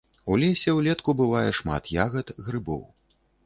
У лесе ўлетку бывае шмат ягад, грыбоў.